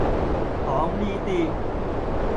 講呢啲